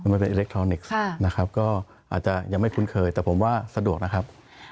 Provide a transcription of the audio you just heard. มันเป็นอิเล็กทรอนิกส์นะครับก็อาจจะยังไม่คุ้นเคยแต่ผมว่าสะดวกนะครับ